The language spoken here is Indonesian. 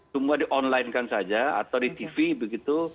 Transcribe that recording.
semua di online kan saja atau di tv begitu